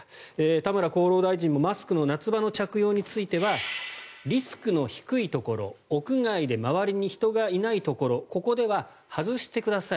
田村厚労大臣もマスクの夏場の着用についてはリスクの低いところ屋外で周りに人がいないところここでは外してください